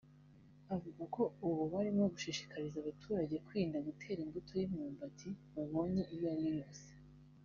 avuga ko ubu barimo gushishikariza abaturage kwirinda gutera imbuto y’imyumbati babonye iyo ariyo yose